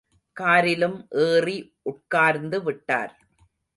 காரிலும் ஏறி உட்கார்ந்து விட்டார்.